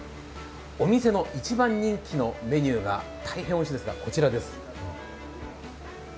お店の一番人気のメニューが大変おいしい、こちらです。